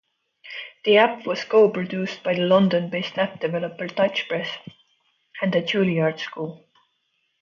The app was co-produced by the London-based app developer Touchpress and The Juilliard School.